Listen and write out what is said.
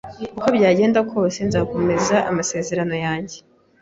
uko byagenda kose, nzakomeza amasezerano yanjye